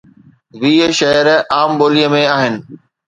ويهه شعر عام ٻوليءَ ۾ آهن